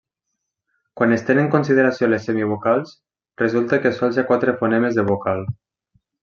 Quan es tenen consideració les semivocals, resulta que sols hi ha quatre fonemes de vocal.